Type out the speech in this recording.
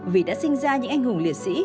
vì đã sinh ra những anh hùng liệt sĩ